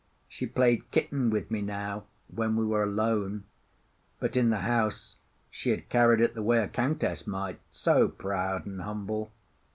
She played kitten with me now when we were alone; but in the house she had carried it the way a countess might, so proud and humble.